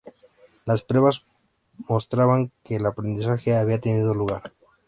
Las pruebas mostraban que el aprendizaje había tenido lugar.